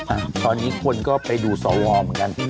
อ่ะตอนนี้คนก็ไปดูสวเหมือนกัน